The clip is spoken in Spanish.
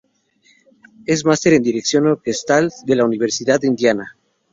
Es Master en Dirección Orquestal de la Universidad de Indiana.